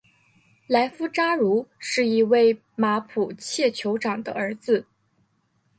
莱夫扎茹是一位马普切酋长的儿子。